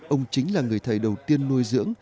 ông chính là người thầy đầu tiên nuôi dưỡng